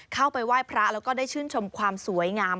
เข้าไปไหว้พระแล้วก็ได้ชื่นชมความสวยงาม